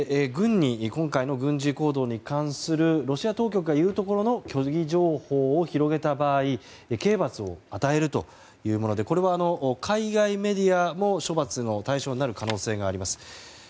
今回の軍事行動に関するロシア当局が言うところの虚偽情報を広げた場合刑罰を与えるというものでこれは海外メディアも処罰の対象になる可能性があります。